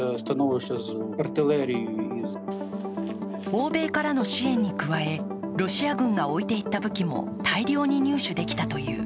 欧米からの支援に加えロシア軍が置いていった武器も大量に入手できたという。